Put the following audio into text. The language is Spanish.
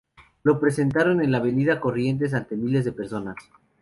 Lo presentaron en la Avenida Corrientes ante miles de personas.